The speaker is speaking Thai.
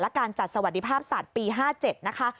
และการจัดสวัสดิภาพสัตว์ปี๕๗นะคะ